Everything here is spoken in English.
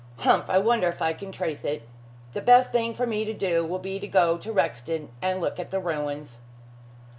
Humph! I wonder if I can trace it. The best thing for me to do will be to go to Rexton and look at the ruins."